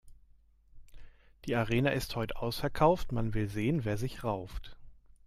Die Arena ist heut' ausverkauft, man will sehen, wer sich rauft.